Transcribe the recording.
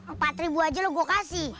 empat ribu aja lu gua kasih